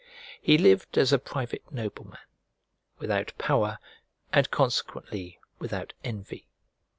He lived as a private nobleman, without power, and consequently without envy.